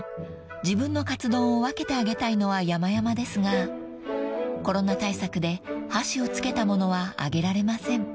自分のカツ丼を分けてあげたいのはやまやまですがコロナ対策で箸を付けた物はあげられません］